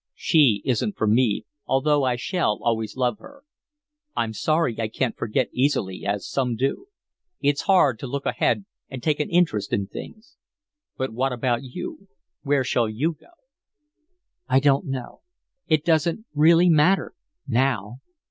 She isn't for me, although I shall always love her. I'm sorry I can't forget easily, as some do. It's hard to look ahead and take an interest in things. But what about you? Where shall you go?" "I don't know. It doesn't really matter now."